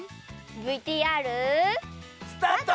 ＶＴＲ。スタート！